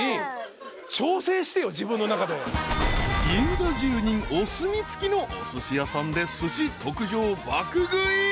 ［銀座住人お墨付きのおすし屋さんで寿司特上を爆食い］